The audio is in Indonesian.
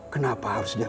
kenapa harus diam diam